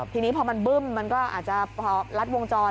ทีนี้พอมันบึ้มมันก็อาจจะพอลัดวงจร